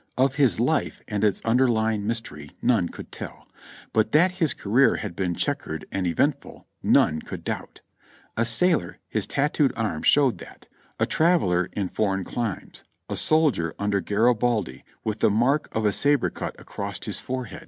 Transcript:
Of his life and its under lying mystery none could tell ; but that his career had been checquered and eventful, none could doubt. A sailor, his tat tooed arm showed that; a traveler in foreign climes, a soldier under Garibaldi with the mark of a sabre cut across his forehead ; PAROI.